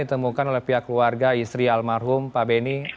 temukan oleh pihak keluarga istri almarhum pak benny